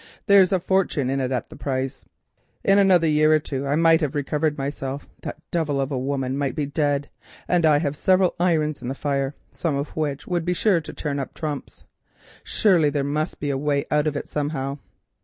There's a fortune in it at the price. In another year or two I might have recovered myself—that devil of a woman might be dead—and I have several irons in the fire, some of which are sure to turn up trumps. Surely there must be a way out of it somehow.